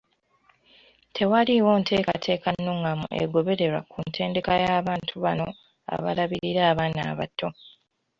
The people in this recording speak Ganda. Tewaliiwo nteekateeka nnungamu egobererwa ku ntendeka y’abantu bano abalabirira abaana abato.